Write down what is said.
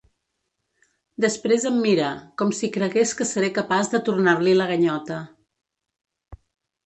Després em mira, com si cregués que seré capaç de tornar-li la ganyota.